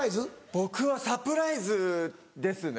僕はサプライズですね。